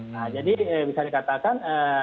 nah jadi bisa dikatakan